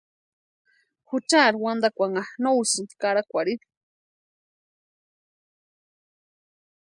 Juchari wantankwanha no úsïnti karakwarhini.